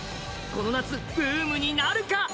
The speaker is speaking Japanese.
この夏ブームになるか？